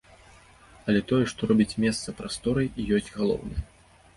Але тое, што робіць месца прасторай, і ёсць галоўнае.